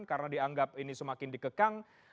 karena dianggap ini semakin dikekang